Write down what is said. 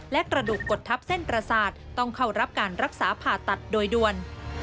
และกระดูกกดทับเส้นประสาทต้องเข้ารับการรักษาผ่าตัดโดยด่วน